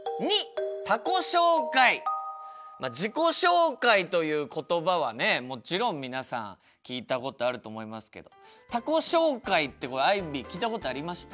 まあ「自己紹介」という言葉はねもちろん皆さん聞いたことあると思いますけど「他己紹介」ってこれアイビー聞いたことありました？